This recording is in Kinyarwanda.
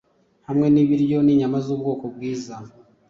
Hamwe nibiryo ninyama zubwoko bwiza